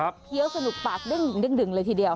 เคี้ยวสนุกปากดึงเลยทีเดียว